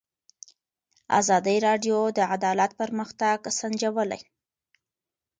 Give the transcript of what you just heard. ازادي راډیو د عدالت پرمختګ سنجولی.